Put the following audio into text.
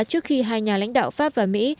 trước khi hai nhà lãnh đạo pháp và mỹ